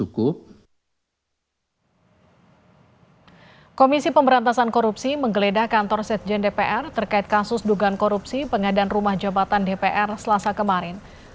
komisi pemberantasan korupsi menggeledah kantor sekjen dpr terkait kasus dugaan korupsi pengadaan rumah jabatan dpr selasa kemarin